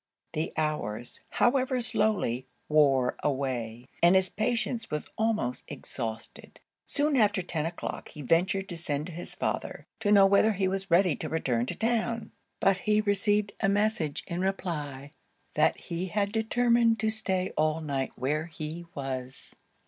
The hours, however slowly, wore away, and his patience was almost exhausted: soon after ten o'clock he ventured to send to his father, to know whether he was ready to return to town? but he received a message in reply, 'that he had determined to stay all night where he was.'